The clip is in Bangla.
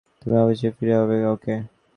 কিন্তু আমাদের অফিসে ফিরে যেতে হবে, ওকে?